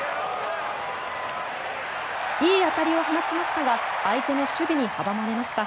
いい当たりを放ちましたが相手の守備に阻まれました。